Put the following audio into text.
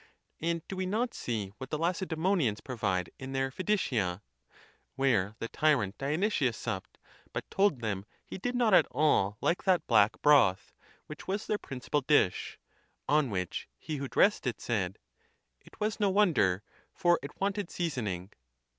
And do we not see what the Lacedzmonians provide in their Phiditia? where the tyrant Dionysius supped, but told them he did not at all like that black broth, which was their principal dish; on which he who dressed it said, "It was no wonder, for it wanted season ing."